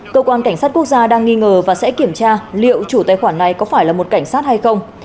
cơ quan cảnh sát quốc gia đang nghi ngờ và sẽ kiểm tra liệu chủ tài khoản này có phải là một cảnh sát hay không